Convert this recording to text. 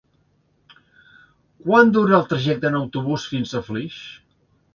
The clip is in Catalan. Quant dura el trajecte en autobús fins a Flix?